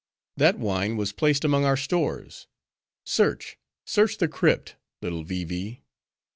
That wine was placed among our stores. Search, search the crypt, little Vee Vee!